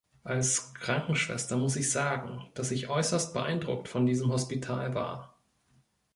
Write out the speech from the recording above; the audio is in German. Als Krankenschwester muss ich sagen, dass ich äußerst beeindruckt von diesem Hospital war.